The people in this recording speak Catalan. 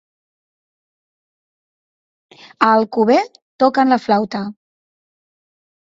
A Alcover toquen la flauta.